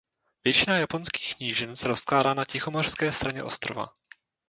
Většina Japonských nížin se rozkládá na Tichomořské straně ostrova.